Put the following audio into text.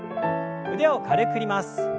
腕を軽く振ります。